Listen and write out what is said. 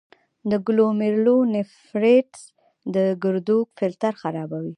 د ګلومیرولونیفریټس د ګردو فلټر خرابوي.